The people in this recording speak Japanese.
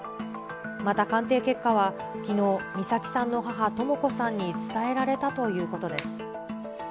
また鑑定結果はきのう、美咲さんの母、とも子さんに伝えられたということです。